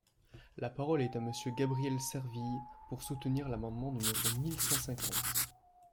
La parole est à Monsieur Gabriel Serville, pour soutenir l’amendement numéro mille cent cinquante.